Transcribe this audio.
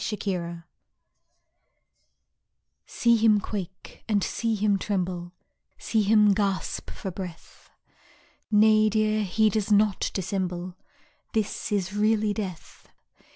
LOVE'S BURIAL See him quake and see him tremble, See him gasp for breath. Nay, dear, he does not dissemble, This is really Death.